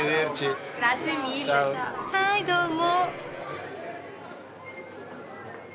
はいどうも。